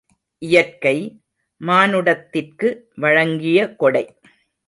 இயற்கை, மானுடத்திற்கு வழங்கிய கொடை.